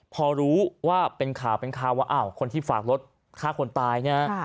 พอรู้ว่าเป็นข่าวเป็นข่าวว่าอ้าวคนที่ฝากรถฆ่าคนตายเนี่ย